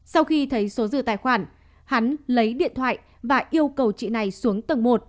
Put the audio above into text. sau khi thấy số dư tài khoản hắn lấy điện thoại và yêu cầu chị này xuống tầng một